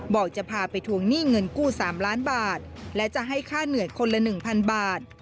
บอกจะพาไปทวงหนี้เงินกู้๓ล้านบาทและจะให้ค่าเหนื่อยคนละ๑๐๐บาท